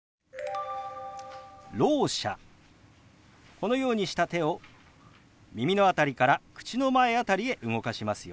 このようにした手を耳の辺りから口の前辺りへ動かしますよ。